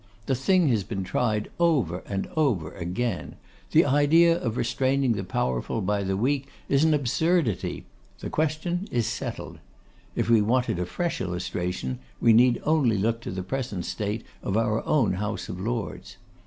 the thing has been tried over and over again; the idea of restraining the powerful by the weak is an absurdity; the question is settled. If we wanted a fresh illustration, we need only look to the present state of our own House of Lords.